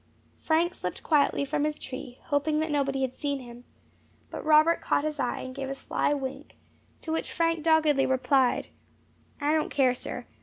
Frank slipped quietly from his tree, hoping that nobody had seen him; but Robert caught his eye, and gave a sly wink, to which Frank doggedly replied, "I don't care, sir.